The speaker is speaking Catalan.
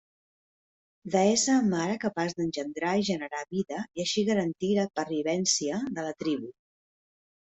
Deessa mare capaç d'engendrar i generar vida i així garantir la pervivència de la tribu.